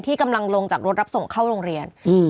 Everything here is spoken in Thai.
กำลังลงจากรถรับส่งเข้าโรงเรียน